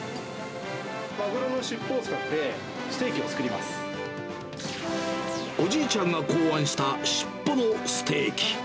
マグロの尻尾を使って、おじいちゃんが考案した尻尾のステーキ。